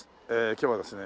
今日はですね